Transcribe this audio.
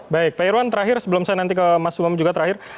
baik pak irwan terakhir sebelum saya nanti ke mas umam juga terakhir